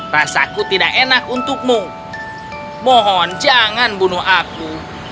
rasaku tidak enak untukmu mohon jangan bunuh aku